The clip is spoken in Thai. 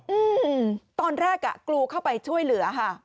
อืมตอนแรกอ่ะกรูเข้าไปช่วยเหลือค่ะ